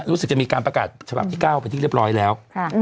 รู้สึกจะมีการประกาศฉบับที่๙เป็นที่เรียบร้อยแล้ว